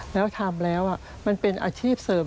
แล้วทำแล้วมันเป็นอาชีพเสริม